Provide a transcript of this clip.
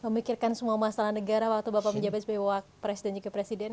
memikirkan semua masalah negara waktu bapak menjabat sebagai wakil presiden juga presiden